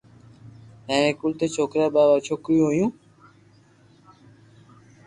تنهنڪري ڪل ٽي ڇوڪرا ۽ ٻه ڇوڪريون هيون.